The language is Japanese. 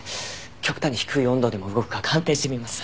極端に低い温度でも動くか鑑定してみます。